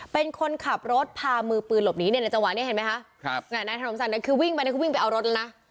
เป็นคนขับรถพามือปืนหลบหนีเนี่ยในจังหวะนี้เห็นไหมคะนายถนอมศักดิ์คือวิ่งไปนี่คือวิ่งไปเอารถแล้วนะ